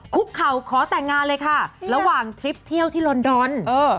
คุกเข่าขอแต่งงานเลยค่ะระหว่างทริปเที่ยวที่ลอนดอน